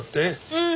うん。